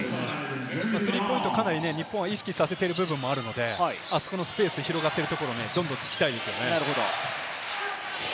スリーポイント、かなり日本は意識させている部分もあるので、あそこのスペースが広がっているところをどんどんつきたいですよね。